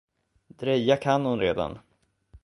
Dreja kan hon redan.